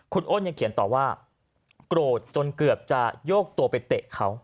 คุณอ้นยังเขียนต่อว่าโกรธจนเกือบจะโยกตัวไปเตะเขา